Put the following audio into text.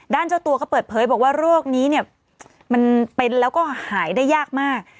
เจ้าตัวก็เปิดเผยบอกว่าโรคนี้เนี่ยมันเป็นแล้วก็หายได้ยากมาก